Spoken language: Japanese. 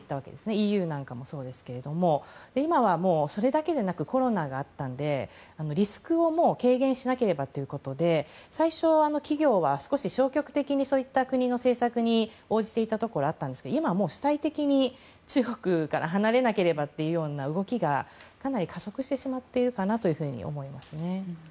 ＥＵなんかもそうですけれども今はそれだけではなくコロナがあったのでリスクを軽減しなければということで最初、企業は少し消極的に国の政策に応じていたところがあったんですけども今は主体的に中国から離れなければという動きがかなり加速してしまっていると思いますね。